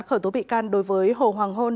khởi tố bị can đối với hồ hoàng hôn